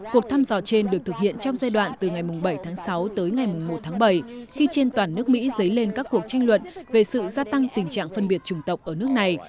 cuộc thăm dò trên được thực hiện trong giai đoạn từ ngày bảy tháng sáu tới ngày một tháng bảy khi trên toàn nước mỹ dấy lên các cuộc tranh luận về sự gia tăng tình trạng phân biệt chủng tộc ở nước này